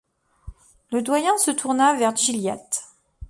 Le doyen se tourna vers Gilliatt.